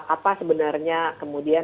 apa sebenarnya kemudian